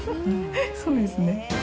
そうですね。